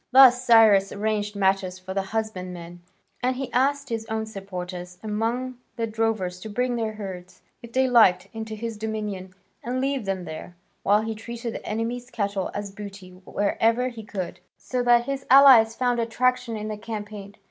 Thus Cyrus arranged matters for the husbandmen, and he asked his own supporters among the drovers to bring their herds, if they liked, into his dominions and leave them there, while he treated the enemy's cattle as booty wherever he could, so that his allies found attraction in the campaign.